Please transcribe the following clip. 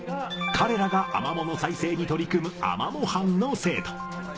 彼らがアマモの再生に取り組むアマモ班の生徒。